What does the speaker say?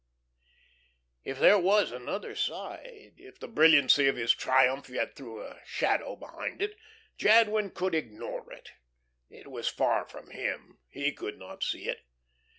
If there was another side, if the brilliancy of his triumph yet threw a shadow behind it, Jadwin could ignore it. It was far from him, he could not see it.